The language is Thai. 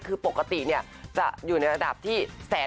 คือปกติเนี่ยจะอยู่ในระดับที่๑๐๕